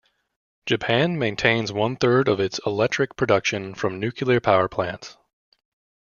Japan maintains one third of its electric production from nuclear power plants.